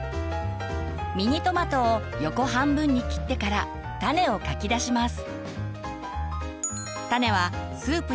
ミニトマトを横半分に切ってから種をかき出します。